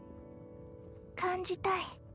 感じたい。